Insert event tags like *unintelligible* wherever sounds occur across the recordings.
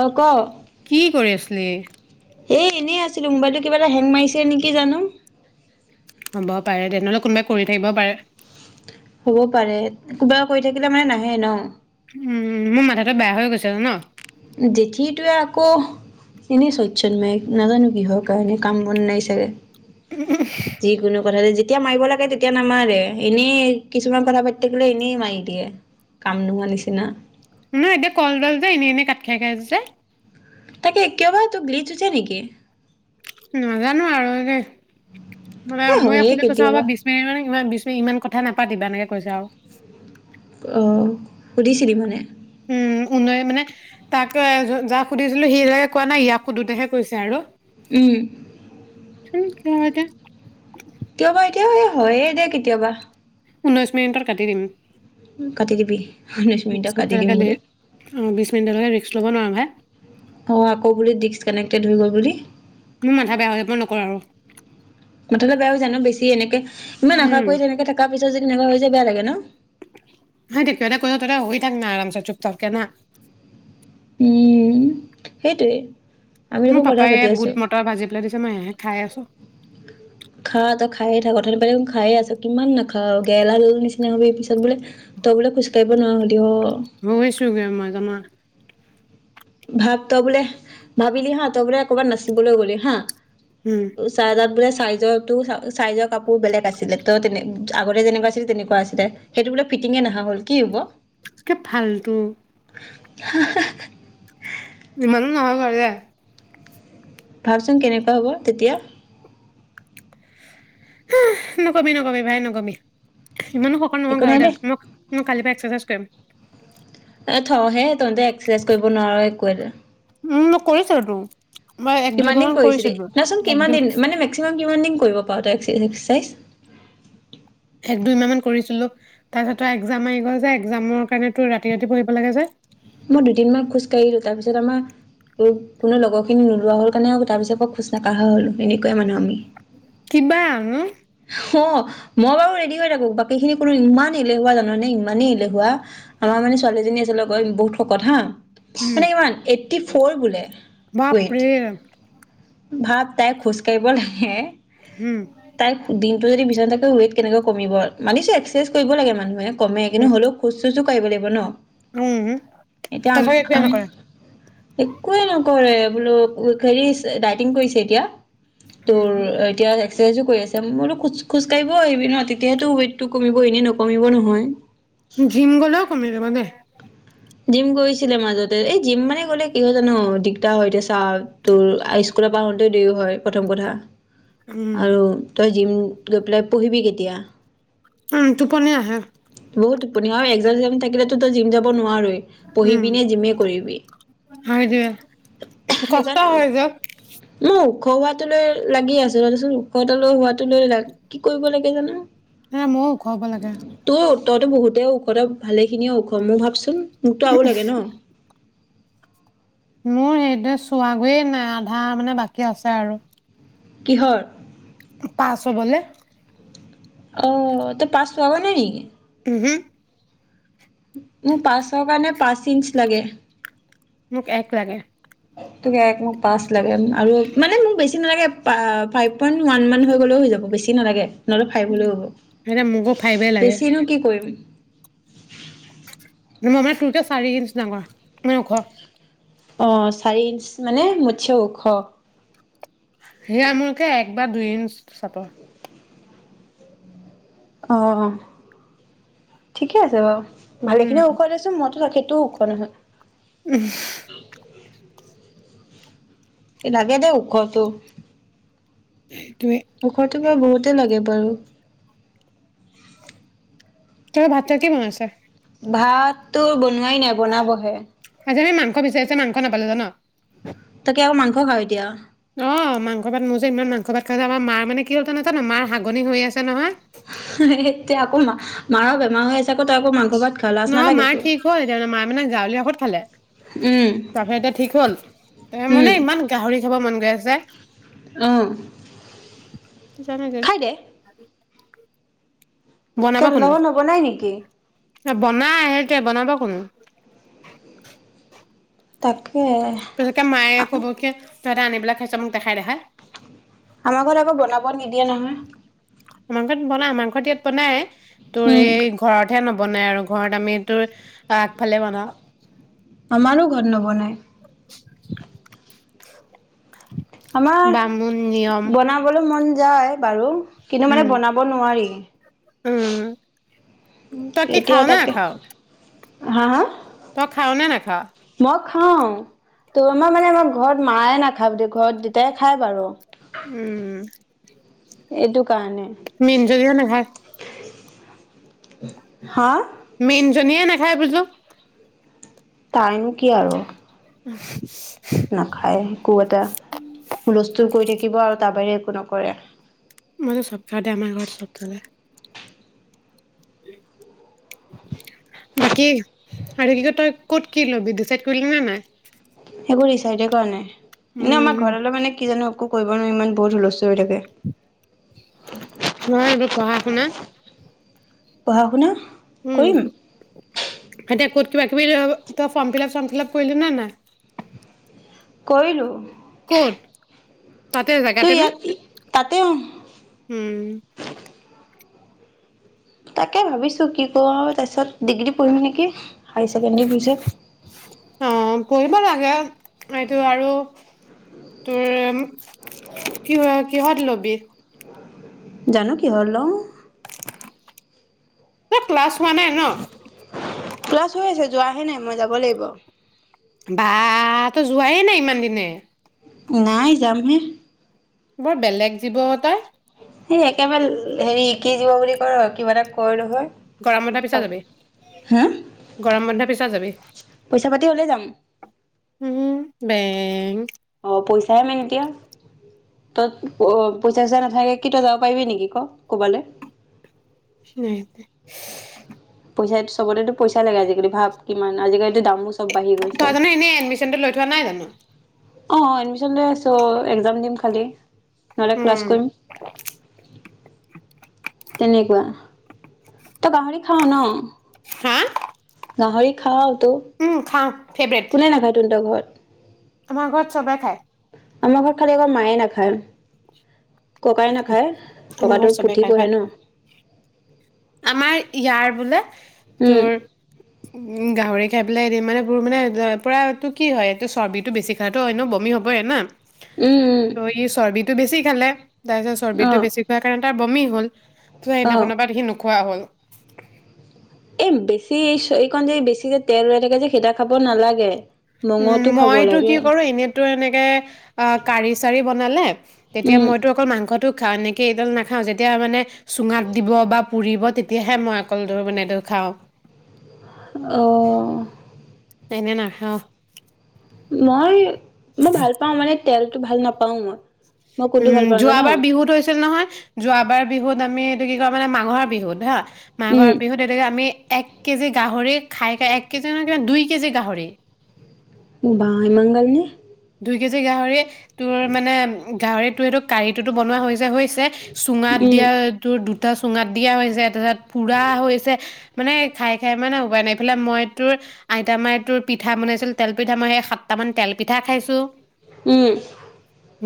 অ' ক প্লে এই এনেই আছিলোঁ মোবাইলটো কিবা এটা হেং মাৰিছে নেকি জানো হ'ব পাৰে দে নহ'লে কোনোবাই কৰি থাকিব পাৰে হ'ব পাৰে কিবা কৈ থাকিলে মানে নাহে ন উম মোৰ মাথাাতো বেয়া হৈ গৈছে জান'। জেঠীটোৱে আকৌ এনেই চইটছন মাৰে নাজানো কিহৰ কাৰণে কাম বন নাই চাগে যিকোনো কথাতে যেতিয়া মাৰিব লাগে তেতিয়া নামাৰে এনেই কিছুমান কথা পাতিথাকিলে এনেই মাৰি দিয়ে কাম নোহোৱা নিচিনা নহয় এতিয়া কলডাল যে এনেই এনে কাট খাই খাই যায়। তাকে একেবাৰে তোক গিলি থৈছে নেকি। নাজানো আৰু দেই মানে এ মই হয়ে আপুনি কৈ ছাব কেতিয়াবা বিশ মিনিট মানে ইমান বিশ মিনিট ইমান কথা কথা নাপাতিবা এনেকে কৈছে আৰু অ সুধিছিলি মানে উম উ নাই মানে তাকে যাক সুধিছিলো সি যে কোৱা নাই ইয়াক সোধোতেহে কৈছে আৰু উম *unintelligible* কিয় বা এতিয়াবা হয় দে কেতিয়াবা ঊনৈছ মিনিটত কাটি দিম কাটি দিবি ঊনৈশ মিনিটত কাটি *unintelligible* দিম বোলে কব নোৱাৰো ভাই অ', আকৌ বুলি ডি্ক্স কানেক্টেড হৈ গ'ল বুলি মোৰ মাথা বেয়া হৈ মই নকৰো মুঠতে বেয়াও জানো বেছি এনেকে ইমান আশা উম কৰি তেনেকে থকাৰ পিছত যদি তেনেকুৱা হৈ যায় বেয়া লাগে ন হয় তেতিয়াতে কৈছো তহঁতে হৈ থাক না আৰামচে চুপ চুপচাপ কৰে না উম', সেইটোৱে। আমি মোৰ দেখোন কথাই পাপাই পাতি আছো বুট মটৰ ভাজি পেলাই দিছে মই সেয়াহে খাই আছো। দাৰেক অথুনি পৰা খাই আছা কিমান পিছত গেলা নিচিনা তই বুলে *unintelligible* *unintelligible* *unintelligible* ভাব তই বোলে ভাবিলি হা, তই বোলে কবাত নাচিবলৈ গলি হা উম চাহকাক বুলে চাইজৰটো চাইজৰ কাপোৰ বেলেগ আছিলে তই তেনে আগতে যেনেকুৱাছিলে তেনেকুৱা আছিলে সেইটো বোলে ফিটিঙে নহা হ'ল কি হ'ব? কে ফাল্টু হাহ হে ইমানো নহয় খাবলে ভাবচোন কেনেকুৱা হ'ব তেতিয়া। হুহ, নকবি নকবি ভাই নকবি। ইমানো শকত নহয় একো বাৰু নাই দে মই কালি পৰা এক্সচাৰচাইজ কৰিম থ'হে তহঁতে এক্সাৰচাইজ কৰিব নোৱাৰ একো *unintelligible* উম মই কৰিছো টো কিমান দিন কৰিছিলি, নাচোন এক কিমান দুই দিন, মানে মেক্সিমাম কিমান দিন কৰিব পাৰোঁ তই এক্সাৰচাইজ এক দুইমাহ মান কৰিছিলো তাৰপিছত তই এক্জাম আহি গল যে একজামৰ কাৰণে তোৰ ৰাতি ৰাতি পঢ়িব লাগে যে মই দুদিনমান খোজ কঢ়িলো তাৰ পিছত আমাৰ কোনো লগৰ খিনি নোলোৱা হ'ল কাৰণে আৰু তাৰ পিছত মই খোজ নকঢ়া হলো এ গঞা মানুহ আমি কিবা নো মই বাৰু ৰেডি হৈ থাকো বাকী খিনি কলো ইমান এলেহুৱা জান নে ইমানেই এলেহুৱা আমাৰ মানে ছোৱালীএজনী আছে লগৰ বহুত শকত হা। উম মানে কিমান কি ফ'ল বোলে ৱেইট বাপৰে ভাব তাই খোজ কাঢ়িব লাগে উম তাইক সুধিম তই যদি বিচনাত থাকে ৱেইট কেনেকে কমিব মানিছো একচেচাইচ কৰিব লাগে কমে কিন্তু উম হলেও পাৰিব লাগিব ন উম এতিয়া তাৰপিছত একোৱে নকৰে একোৱে নকৰে বোলো হেৰি দাইটিং কৰিছে এতিয়া উম তোৰ এতিয়া এক্সাচাইজো কৰি আছে মোৰো খোজ খোজ কঢ়িব আহিবি ন তেতিয়ো ৱেইট টো কমিব এনে নকমিব নোৱাৰো মই কমিলে মানে জিম কৰিছিলে মাজতে এই জিম মানে গলে কি হয় জানো দিগদাৰ হয়তিয়া চা তোৰ স্কুলত পা আহোঁতে দেৰিও হয় প্ৰথম কথা উম আৰু তই জিম গৈ পেলাই পঢ়িবি কেতিয়া উম টোপনি আহে বহুত টোপনি একজাম থাকিলেতো জিমাব নোৱাৰই উম, পঢ়িবি নে যিমে কৰিবি সেইটোৱে কষ্ট সেইকাৰণে হয় যে। ম ওখ হোৱাটো লৈ লাগি আছোঁ তাৰপিছত ওখটা লৈ হ লাক কি কৰিব লাগে জানো এ ময়ো ওখ হ'ব লাগে, তোৰ ততো বহুতে ও মোকটো আৰু লাগে ন মোৰ সেটোৱে চোৱা গৈয়ে নাই আধা মানে বাকী আছে আৰু কিহৰ পাঁচ হবলে অ তই পাঁচ লগা নাই নেকি উমহু মোক পাঁচৰ কাৰণে পাঁচ ইঞ্চ লাগে মোক এক লাগে তুক একমুখ পাছ লাগাম আৰু মানে মোৰ বেছি নালাগে ফাইভ পইণ্ট ওৱান মান হৈ গ'লেও হৈ যাব বেছি নালাগে নহ'লে ফাইভ উম, হলেও হ'ব এতিয়া মোকো ফাইভে লাগে, বেছিনো কি কৰিম মই মানে তোৰতে চাৰি ইঞ্চ ডাঙৰ মে ওখ আহ চাৰি ইঞ্চ মানে মুথছে ওখ সে আ মোলকে এক বা দুই ইঞ্চ চাব অ ঠিকে আছে বাৰু ভালে খিনি ওখ দে চুন মই সেইটো ওখ নহয় উম এ লাগে দেই ওখতো সেইটোৱে। ওখটো বাৰু বহুত লাগে বাৰু তুমি ভাতটো কি বনাইছা ভাততো বনোৱাই নাই বনাবহে আজি মাংস বিচাৰিছে মাংস নাপালে জান তই কি আকৌ মাংস খাওঁ এতিয়া অ মাংস ভাত মোৰ যে ইমান মাংস ভাত খাই যে আমাৰ মাৰ মানে কি হল নাজানো মাৰ হাগনি হৈ আছে নহয় এতিয়া আকৌ মাৰৰ বেমাৰ হৈ আছে তই আকৌ মাংস ভাত খাৱ লাজ নহয় নালাগে মাৰ তোৰ। ঠিক হল এতিয়া মায়ে মানে গাঁৱলীয়া ঔষধ খালে উম, তাৰপিছত এতিয়া ঠিক হল ত মানে ইমান গাহৰি খাব মন গৈ আছে উম খাই দে বনাব তহঁতৰ কোনে ঘৰত নবনাই নিকি বনাই এতিয়া বনাব কোনে তাকে পিছতকে মায়ে ক'ব কি তহঁতে আনি পেলাই খাইছ মোক দেখাই দেখাই আমাৰ ঘৰত আকৌ বনাব নিদিয়ে নহয় আমাৰ ঘৰত বনাই আমাৰ ঘৰত ইয়াত বনাই তোৰ উম, এই ঘৰ হে নবনাই আৰু ঘৰত আমিটো আমাৰো ঘৰত নবনাই *unintelligible* আমাৰ বামুণ নিয়ম বনাবলৈ মন যায় বাৰু কিন্তু উম মানে বনাব নোৱাৰি উম তই কি এতিয়া খাও নে তাকে নেখাও হা হা তই খাও নে নাখাও অ খাও তোৰমাৰ মানে আমাৰ ঘৰত মায়ে নাখাও বুলি কয় ঘৰত দেউতাই খাই বাৰু উম এইটো কাৰণে মিনজনীয়ে হা মেইন জনীয়ে নেখায় হাই বুজো তাই নো কি আৰু *unintelligible* নাখায় একো এটা হুলস্থুল কৰি থাকিব আৰু তাৰ বাহিৰে একো নকৰে। মই যে, চব খাও দে আমাৰ ঘৰত চব চলে। বাকী আৰু কি ক তই ক'ত কি, লবি ডিচাইড কৰিলিনে নাই। সেইবোৰ ডিচাইডে কৰা নাই। এনে আমাৰ উম, ঘৰলৈ মানে, কি জানো একো ক ইমান ইমান বহুত হুলস্থূল। নয় এইোৰ পঢ়া শুনা *inaudible* পঢ়া -শুনা? উম কৰিম এতিয়া ক'ত কিবা কিবি তই ফৰম ফিলাপ চৰম ফিলাপ কৰিলিনে নাই? কৰিলো। ক'ত? তাতে তো জেগাতেনে? ইয়াত তাতে উম! তাকে ভাবিছো কি কৰোঁ, তাৰ পিছত ডিগ্ৰী পঢ়িম নেকি! হাইছেকেণ্ডাৰী পিছত অ' *unintelligible* এইটো আৰু তোৰ কিহত কিহত লবি? জানো কিহত লও! ক্লাছ হোৱা নাই ন? ক্লাছ হৈ আছে যোৱাহে নাই মই যাব লাগিব বা তো যোৱাই নাই ইমান দিনে নাই যাম হে। বৰ বেলেগ জীৱ তাই! সেই একেবাৰে হেৰি শিকি যিব বুলি কয় কিবা এটা কয় নহয় গৰম বন্ধ পিছত যাবি, হা গৰম বন্ধ পিছত যাবি পইচা পাতি হ'লে যাম উম, বে। পেই অ' পইচাহে মানে এতিয়া, তই পইচা চইচা নাথাকে। কি, তই যাব পাৰিবি নেকি ক' ক'বালে। *unintelligible* পইচা চবতেতো পইচা লাগে আজিকালি ভাৱ কিমান আজিকালি তই জানো এনেই এডমিশনটো লৈ থোৱা নাই জানো অ' এডমিশ্যন লৈ আছো, এক্জাম দিম খালি। নহলে ক্লাছ উম, কৰিম, তেনেকুৱা? তই গাহৰি খাৱ ন? হা! গাহৰি খাওঁ। উম খাওঁ ফেভৰেট কোনে নাখায় তুহটৰ ঘৰত *unintelligible* আমাৰ ঘৰত চবে খায়। আমাৰ ঘৰত খালি অকল মায়ে নাখায়। *unintelligible* ককাই নাখায়, আমাৰ ককাটো ঘৰত চবে পুঠি খাই পাই পঢ়ে ন। আমাৰ ইয়াৰ বোলে।। উম। উ গাহৰি খাই পেলাই বেমাৰ বোৰ মানে পুৰাটো কি হয় এইটো চৰ্বিতটো বেছি খাইতো ন বমি হবইে না? উম ত এই চৰ্বি।। টো বেছি খালে। তাই যে উম অ চৰ্বিতো বেছি খোৱা কাৰণে।। তাৰ বমি হ'ল? যোৱা অ সেইদিনা খনৰ পৰা দেখি মোক।। খোৱা হ'ল। এই বেছি এইকন যদি বেছি কে তেল ৰৈ থাকে যে সেইটা খাব নালাগে। উম মঙহটো খাব মইতো কি লাগে কৰো এনেতো এনেকে অ কাৰি চাৰি বনালে। তেতিয়া উম মইতো অকল মাংসটো।। খাওঁ। এনেকে এইডাল নাখাওঁ যেতিয়া মানে চুঙাত দিব বা পুৰিব তেতিয়াহে মই অকল এই ডাল মানে খাওঁ। অ এনে নাখাওঁ। মই।। মই ভাল পাও মানে।। তেলতটো ভাল নাপাওঁ মই। মই কোনটো ভাল উম পাওঁ জান যোৱাবাৰ বিহুত হৈছিল নহয়। যোৱাবাৰ বিহুত আমি।। বিহু খাবলে মাঘৰ বিহুত হা।। উম মাঘৰ বিহুত। তেতিয়া টো আমি।। এক কেজি গাহৰি খাই খাই এক কেজি নহয় কিবা দুই কেজি গাহৰি। বাহ ইমান গাল নে? দুই কেজি গাহৰি।। তোৰ মানে।। গাহৰিটো এই টো কাৰীটোতো বনোৱা হৈছে, হৈছে।। তে চুঙাত উম দিয়া তোৰ।। চুঙাত দিয়া হৈছে তাৰপিছত পুৰা হৈছে মানে খাই তে চুঙাত দিয়াও হৈছে তাৰ পিছত পোৰা হৈছে মানে খায় খায় মানে উপাই নাই। এইফালে মই তোৰ আইতা মাই তোৰ পিঠা বনাইছিল। তেল পিঠা মই এই সাতটামান তেল পিঠা খাইছিলো।। ছঅ। উম।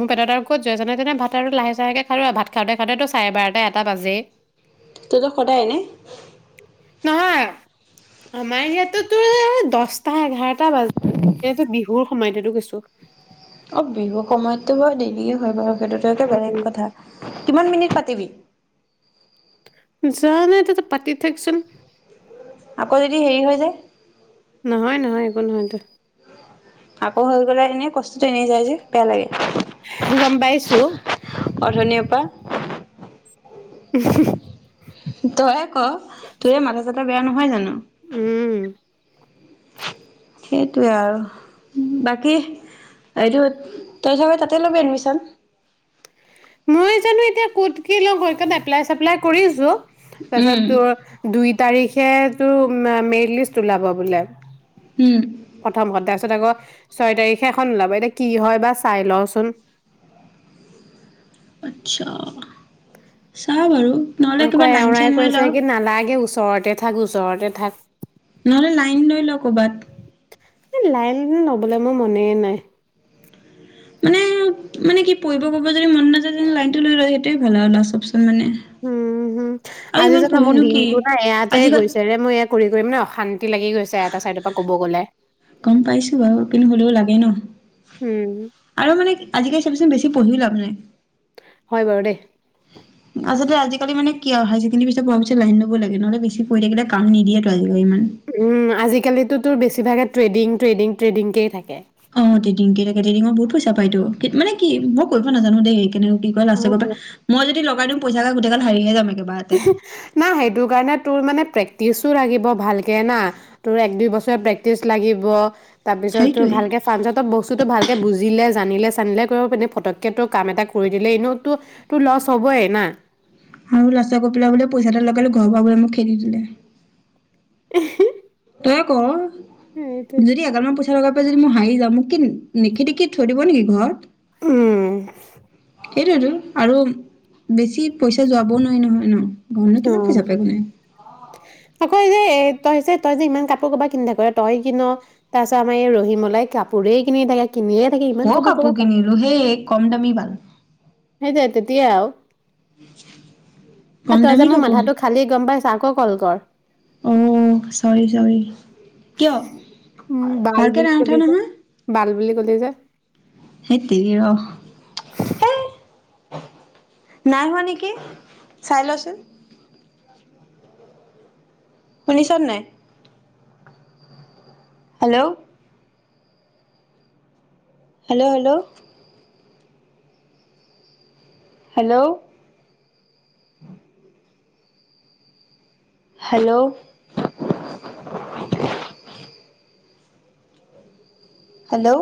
মোৰ পেটত আৰু ক'ত জেগা আছে। সেই কাৰণে ভাত আৰু লাহে চাহেকে খালো আৰু ভাত খাওঁতে খাওঁতো চাৰে বাৰটা এটা বাজেই। তহঁতৰ সদায় নে নহয় আমাৰ ইয়াতেতো দহটা এঘাৰটা বাজে ইয়াতেবিহুৰ সময়ত সেই টো কৈছোঁ। অ বিহুৰ সময়তো বাৰু দেৰিয়ে হয় বাৰু।। সেইটো এটা উম বেলেগ কথা কিমান মিনিট পাতিবি? যোৱা নাই তহঁতে পাতি থাকচোন। আকৌ যদি হেৰি হৈ যায় নহয় নহয় একো নহয়তো আকৌ হৈ গলে এনেই কষ্টটো এনেই যায় যে বেয়া লাগে গম পাইছো অথনিৰ পৰা হম তইয়ে ক তোৰে মাথা চাথা বেয়া নহয় জানো উম সেইটোৱে আৰু বাকী এইটো তই চাগে তাতে লবে এডমিচন মই জানো এতিয়া কত কি হয় এপলায় চেপলায় কৰিছো তছত উম তুৰ দুই তাৰিখেতো ম‌ম মেৰিট লিষ্টত ওলাব বোলে। উম প্ৰথম খন তাছত আকৌ ছয় তাৰিখে এখন ওলাব এতিয়া কি হয় বা চাই লওচোন আচ্ছা চাও বাৰু নহ'লে আকৌ কিবা লাইন চাইন এউৰাই লৈ ল কৈছে কি নালাগে ওচ ঘৰতে থাক ওচৰতে থাক নহ'লে লাইন লৈ ল ক'বাত এই লাইন লবলৈ মই মনেয়ে নাই মানে মানে কি পৰিঢ় কৰিব যদি মন নাযায় তেনে লাইনটো লৈ ল ভালে ন চব হোম উ উ আজি ইমান জান মোৰ পঢ়িনো কি দিনটো না এয়াতে আজিকাল গৈছে ৰে মোৰ যএ ফুৰি কৰি মানে অশান্তি লাগি গৈছে এটা চাইডৰ পৰা ক'ব গ'লে গম পাইছো বাৰু কিন্তু হ'লেও লাগে ন উম আৰু মানে আজিকালি চাবিচোন বেছি পঢ়িও লাভ নাই হয়নে হয় বাৰু দেই আচলতে আজিকালি মানে কি হই ছেকণ্ডাৰী পিছতপঢ়া পিছত লাইন লব লাগে নহলে বেছি কৈ থাকিলে কাম নিদিয়ে টো অজি উম আজিকালিতো তোৰ বেছিভাগে ট্ৰেডিং ট্ৰেডিং ট্ৰেডিংকেই থাকে অ ট্ৰেডিং কেটাৰিংঙত বহুত পইচা পাই তো মানে কি মই কৰিব নাজানো দে সেইখিনি ইমান আাছে উম, বাবে মই যদি লগাই দিও পইচাগাল গোতেগাল হাৰিয়েজাম না সেইটো কাৰণে তোৰ মানে প্ৰেক্টিছো লাগিব ভালকে না তোৰ এক দুই বছৰে প্ৰেক্টিচ লাগিব অ তাৰ পিছতো সেইটোৱে। ভালকে ফাৰ্মচ ত বস্তুতটো ভালকে বুজিলে জানিলে চানিলে কৰিব পাৰি ফটককে তোৰ কাম এটা কৰি দিলে এনেওতো তোৰ লচ হ'বই না আৰু লাচ কপিলা বলে পইচা এটা লগালে ঘৰৰ পৰা বোলে মোক খেদি দিলে আহি তই ক যদি এগাল মন পইচা লগ পাই যদি মই হাৰি যাওঁ মোক কি নিখিদি কি থৈ দিব নেকি ঘৰত উম সেইটোৱেতো আৰু বেছি পইচা যোৱাবও নোৱাৰি নহয় ন ঘৰতনো অ কিমান পইচা পায় কোনে আকৌ যে এই ত তই হৈছে তই যে ইমান কাপোৰ কবাক কিনিধাক কৰা তই কিন তাৰ পিছত আমাৰ এই ৰহিমলাই কাপোৰেই কিনি থাকে কিনিয়ে থাকে ইমান ক ক'ৰপা কাপোৰ পাৱ। কিনিলো হেই কম দামী বাল সেইটোৱেটো তেতিয়াও কম তই যে দামী মোৰ কাপোৰ মাথাটো খালি গম পাইছ আকৌ কল কৰ অ চৰি চৰি কিয় উ বাল ভালকে বুলি নাই উঠা কধিছ বাল বুলি গলি যে ধেৎ তেৰি অ নাই হোৱা নেকি চাই লচোন শুনিছনে নাই? Hello hello hello hello hello hello!